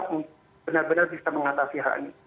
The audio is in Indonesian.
untuk benar benar bisa mengatasi hal ini